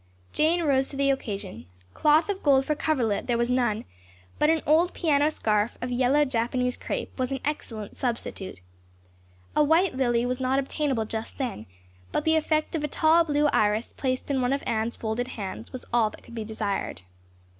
Jane rose to the occasion. Cloth of gold for coverlet there was none, but an old piano scarf of yellow Japanese crepe was an excellent substitute. A white lily was not obtainable just then, but the effect of a tall blue iris placed in one of Anne's folded hands was all that could be desired.